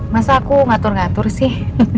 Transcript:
masa aku ngatur ngatur sih